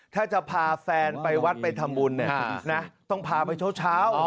ถ้าจะพาแฟนไปวัดไปทำบุญต้องพาไปเช้า